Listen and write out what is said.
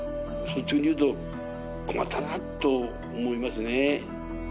率直に言うと、困ったなと思いますね。